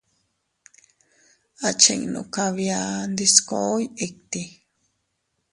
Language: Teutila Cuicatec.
Achinnu kabia ndiskoy itti.